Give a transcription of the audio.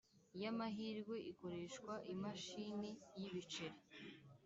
y amahirwe ikoreshwa imashini y ibiceri